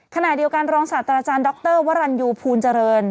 ขณะเดียวกันรองศาสตราจารย์ดรวรรณยูภูลเจริญ